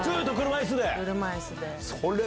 車いすで。